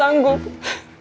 menanggung semua biaya ini